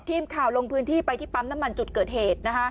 ทีมข่าวลงพื้นที่ไปที่ปั๊มน้ำมันจุดเกิดเหตุ